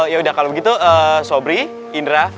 yaudah kalau begitu sobri indra